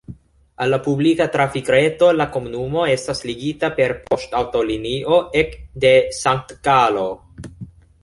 Al la publika trafikreto la komunumo estas ligita per poŝtaŭtolinio ek de Sankt-Galo.